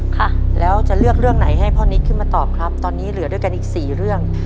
ค่ะแล้วจะเลือกเรื่องไหนให้พ่อนิดขึ้นมาตอบครับตอนนี้เหลือด้วยกันอีกสี่เรื่อง